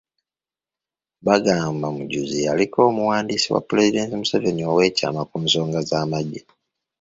Bagamba Mujuzi yaliko omuwandiisi wa Pulezidenti Museveni oweekyama ku nsonga z’amagye.